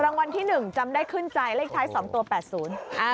รางวัลที่๑จำได้ขึ้นใจเลขท้าย๒ตัว๘๐